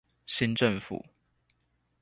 新政府